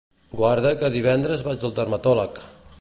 Guarda que divendres vaig al dermatòleg.